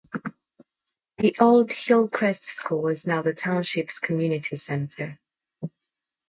The old Hillcrest School is now the township's community center.